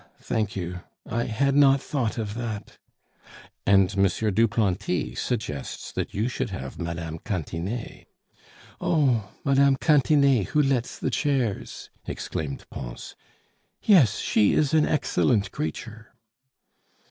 thank you, I had not thought of that." " And M. Duplanty suggests that you should have Mme. Cantinet " "Oh! Mme. Cantinet who lets the chairs!" exclaimed Pons. "Yes, she is an excellent creature."